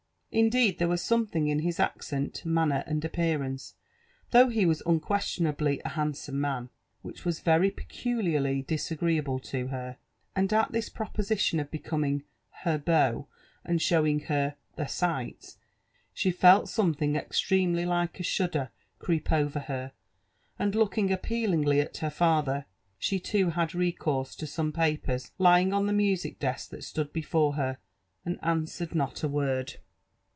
Indeed, there was something In his accent, manner, and appearance, though be was unquestionably a handsome man^ which was very peculiarly disagreeable to her; and at this proposi* tionof becoming ber beau/' and showing her '* the sights," she feU aomethijig ;extremely like a shudder creep over ber, and looking jpj)eaiij; igiy al her father, she loo bad recourse to some ipap<^s lyiiag W the iwitsie^esk that atood before her, and answered not a word.